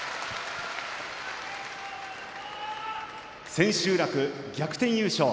千秋楽、逆転優勝。